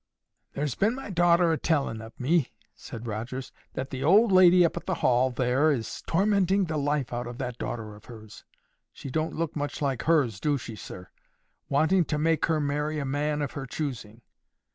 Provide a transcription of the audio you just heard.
"—There's been my daughter a telling of me," said Rogers, "that the old lady up at the Hall there is tormenting the life out of that daughter of hers—she don't look much like hers, do she, sir?—wanting to make her marry a man of her choosing.